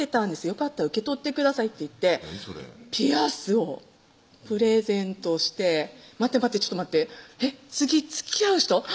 「よかったら受け取ってください」って言ってピアスをプレゼントして待って待ってちょっと待って「次つきあう人」？